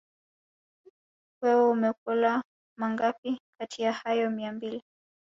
Wewe umekula mangapi kati ya hayo mia mbili